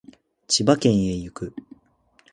千葉県へ行く